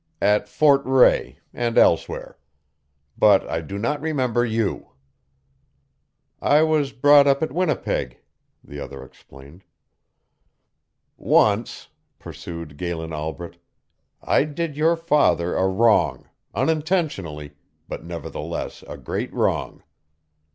At Fort Rae, and elsewhere. But I do not remember you." "I was brought up at Winnipeg," the other explained. "Once," pursued Galen Albret, "I did your father a wrong, unintentionally, but nevertheless a great wrong.